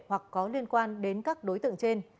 hoặc có liên quan đến các đối tượng trên